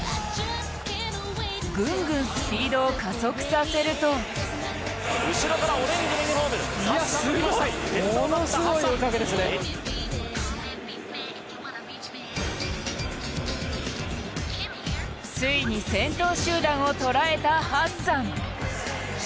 ぐんぐんスピードを加速させるとついに先頭集団を捉えたハッサン。